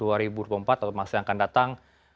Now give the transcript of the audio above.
dua ribu dua puluh empat atau masa yang akan datang